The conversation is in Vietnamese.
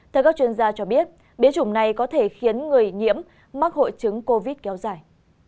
theo các chuyên gia cho biết biến chủng này có thể khiến người nhiễm mắc hội chứng covid kéo dài